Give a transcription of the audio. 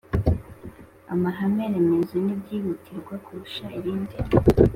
amahame remezo n'ibyihutirwa kurusha ibindi